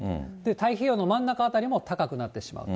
太平洋の真ん中辺りも高くなってしまうと。